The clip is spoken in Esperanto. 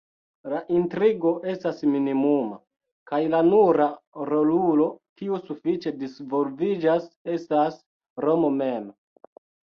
La intrigo estas minimuma, kaj la nura "rolulo" kiu sufiĉe disvolviĝas estas Romo mem.